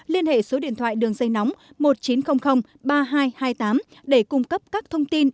liên hệ số điện thoại đường dây nóng một nghìn chín trăm linh ba nghìn hai trăm hai mươi tám để cung cấp các thông tin